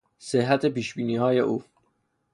صحت پیشبینیهای او